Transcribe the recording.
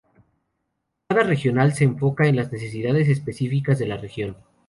Cada regional se enfoca en las necesidades específicas de la región.